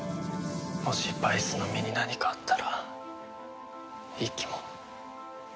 もしバイスの身に何かあったら一輝も。